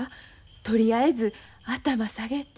とりあえず頭下げて。